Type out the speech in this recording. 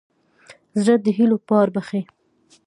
زړه د هيلو پار بښي.